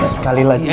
sekali lagi pak